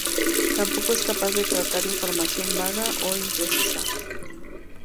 Tampoco es capaz de tratar información vaga o imprecisa.